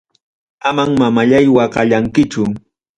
Amam mamallay waqallankichu.